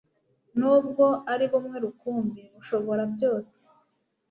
n'ubwo ari bumwe rukumbi, bushobora byose